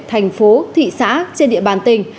thành phố thị xã trên địa bàn tỉnh